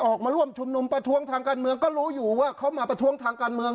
ออกมาร่วมชุมนุมประท้วงทางการเมืองก็รู้อยู่ว่าเขามาประท้วงทางการเมือง